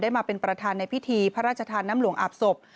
มาเป็นประธานในพิธีพระราชทานน้ำหลวงอาบศพ